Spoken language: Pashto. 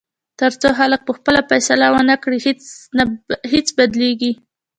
تر څو خلک پخپله فیصله ونه کړي، هیڅ بدلېږي.